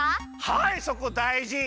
はいそこだいじ！